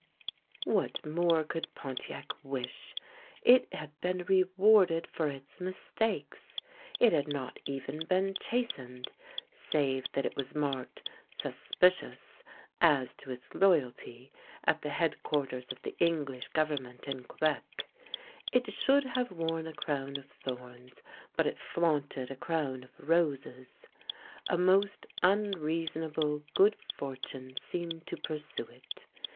What more could Pontiac wish? It had been re warded for its mistakes; it had not even been chastened, save that it was marked " Suspicious," as to its loyalty, at the headquarters of the English Government in Quebec. It should have worn a crown of thorns, but it flaunted a crown of roses. A most unreasonable good fortune seemed to pursue it.